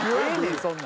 そんなん。